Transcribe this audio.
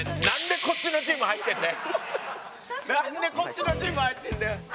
何でこっちのチーム入ってんだよ！